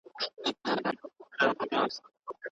اسلام د بشریت لپاره د خلاصون یوازینۍ لاره ده.